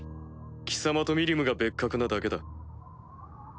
貴様とミリムが別格なだけだ。